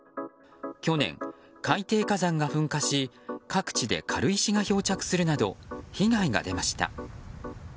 去年、海底火山が噴火し各地で軽石が漂着するなど被害が出ました。